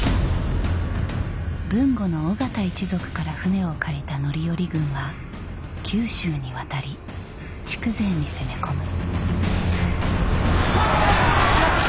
豊後の緒方一族から船を借りた範頼軍は九州に渡り筑前に攻め込む。